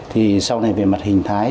thì sau này về mặt hình thái